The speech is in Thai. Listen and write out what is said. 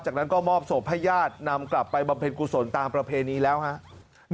จากนั้นก็มอบศพให้ญาตินำกลับไปบำเพ็ญกุศลตามประเพณีแล้วครับ